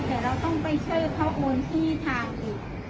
แต่เราต้องไปช่วยเขาโอนที่ทางเด็ก